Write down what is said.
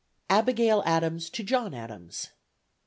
..." ABIGAIL ADAMS TO JOHN ADAMS.